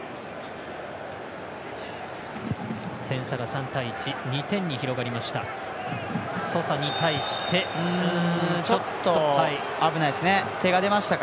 点差が３対１２点に広がりました。